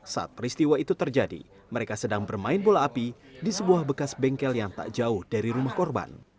saat peristiwa itu terjadi mereka sedang bermain bola api di sebuah bekas bengkel yang tak jauh dari rumah korban